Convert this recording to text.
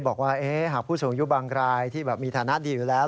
บอกว่าหากผู้สูงอายุบางรายที่มีฐานะดีอยู่แล้ว